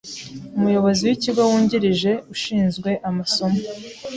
Umuyobozi w’ikigo wungirije ushinzwe amasomo